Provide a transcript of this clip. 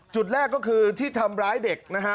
จุดแรกก็คือที่ทำร้ายเด็กนะฮะ